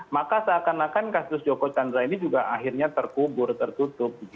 maka seakan akan kasus joko chandra ini juga akhirnya terkubur tertutup